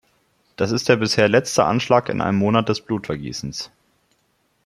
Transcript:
Das ist der bisher letzte Anschlag in einem Monat des Blutvergießens.